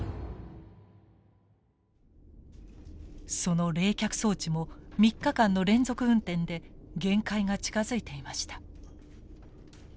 その冷却装置も３日間の連続運転で限界が近づいていました。